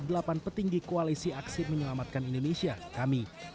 delapan petinggi koalisi aksi menyelamatkan indonesia kami